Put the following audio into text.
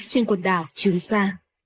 trên cuộc đảo trường xa